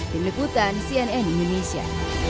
dilebutan cnn indonesia